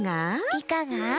いかが？